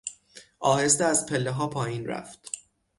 آهسته از پلهها پایین رفت.